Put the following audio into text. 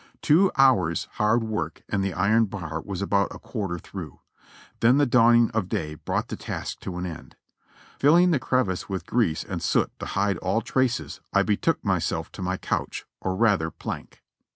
Two hours' hard work and the iron bar was about a quarter through, then the dawning of day brought the task to an end. FilHng the crevice with grease and soot to hide all traces, I betook myself to my couch, or rather plank.